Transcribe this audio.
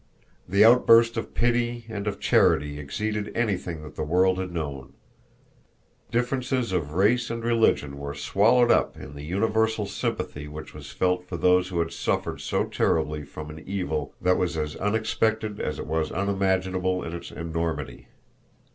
The outburst of pity and of charity exceeded anything that the world had known. Differences of race and religion were swallowed up in the universal sympathy which was felt for those who had suffered so terribly from an evil that was as unexpected as it was unimaginable in its enormity.